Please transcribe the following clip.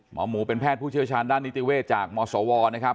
หมอหมูเป็นแพทย์ผู้เชี่ยวชาญด้านนิติเวศจากมศวนะครับ